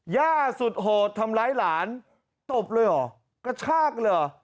ย่าสุดโหดทำร้ายหลานตบเลยเหรอกระชากเลยเหรอ